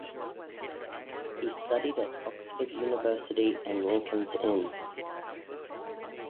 He studied at Oxford University and Lincoln's Inn.